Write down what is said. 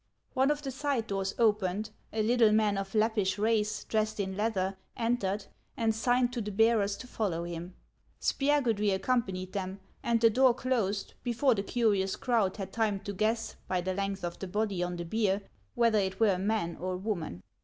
One of the side doors opened, a little man of Lappish race, dressed in leather, entered, and signed to the bearers to follow him. Spiagudry accompanied them, and the door closed before the curious crowd had time to guess, by the HANS OF ICELAND. 31 length of the body on the bier, whether it were a man or a woman.